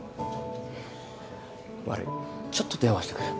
悪いちょっと電話してくる。